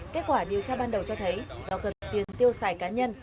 kết quả điều tra ban đầu cho thấy do cần tiền tiêu xài cá nhân